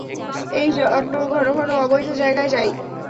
এই জন্য ঘনঘন অবৈধ জায়গায় যাই।